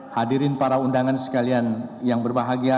hadirin para undangan sekalian yang berbahagia